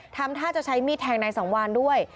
ทำท่าจะใช้มีดแทงนายสังวานด้วย